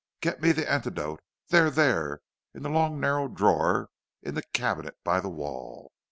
Get me the antidote; there, there, in the long narrow drawer in the cabinet by the wall.